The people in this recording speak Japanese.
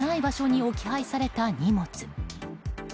屋根のない場所に置き配された荷物。